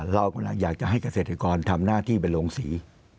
เราอยากจะให้เกษตรกรทำหน้าที่เป็นโรงสี